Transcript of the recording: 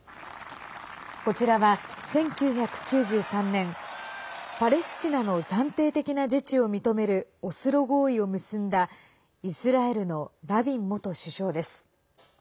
こちらは１９９３年パレスチナの暫定的な自治を認めるオスロ合意を結んだイスラエルのラビン元首相です。